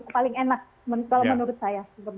paling enak menurut saya